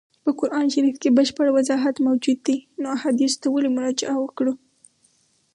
په قرآن شریف کي بشپړ وضاحت موجود دی نو احادیثو ته ولي مراجعه وکړو.